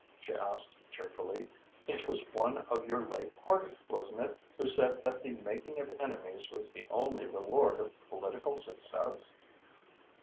she asked cheerfully. "It was one of your late party, wasn't it, who said that the making of enemies was the only reward of political success?"